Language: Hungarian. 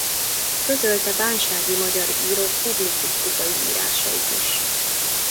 Közölte bánsági magyar írók publicisztikai írásait is.